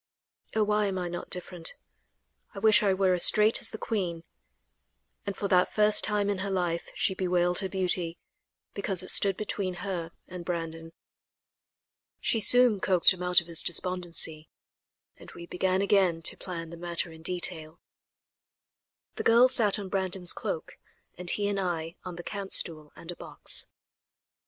Oh! why am I not different; I wish I were as straight as the queen," and for that first time in her life she bewailed her beauty, because it stood between her and Brandon. She soon coaxed him out of his despondency, and we began again to plan the matter in detail. The girls sat on Brandon's cloak and he and I on the camp stool and a box.